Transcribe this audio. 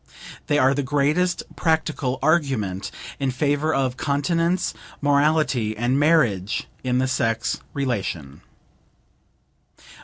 They are the greatest practical argument in favor of continence, morality and marriage in the sex relation.